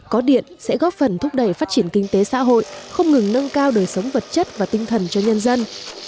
có điện sẽ góp phần thúc đẩy phát triển kinh tế xã hội không ngừng nâng cao đời sống vật chất và tinh thần cho nhân dân